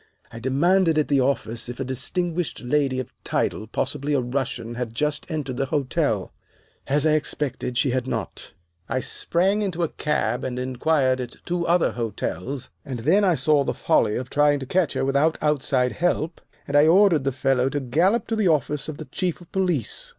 "I demanded at the office if a distinguished lady of title, possibly a Russian, had just entered the hotel. "As I expected, she had not. I sprang into a cab and inquired at two other hotels, and then I saw the folly of trying to catch her without outside help, and I ordered the fellow to gallop to the office of the Chief of Police.